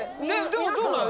でもどうなの？